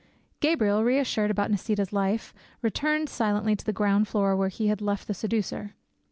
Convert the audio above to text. Gabriel, reassured about Nisida's life, returned silently to the ground floor where he had left the seducer.